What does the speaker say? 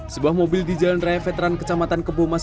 sebuah mobil di jalan raya veteran kecamatan kebomas